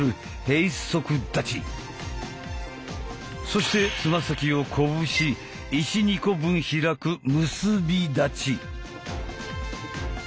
そしてつま先を拳１２個分開く「結び立ち」。